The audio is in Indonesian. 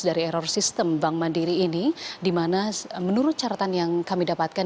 dari error sistem bank mandiri ini dimana menurut caratan yang kami dapatkan